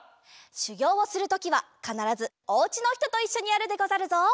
しゅぎょうをするときはかならずおうちのひとといっしょにやるでござるぞ。